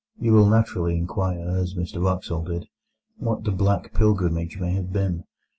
You will naturally inquire, as Mr Wraxall did, what the Black Pilgrimage may have been.